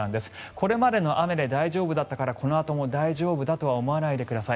これまでの雨で大丈夫だったからこのあとも大丈夫だとは思わないでください。